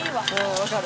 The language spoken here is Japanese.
分かる。